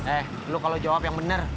eh lu kalau jawab yang benar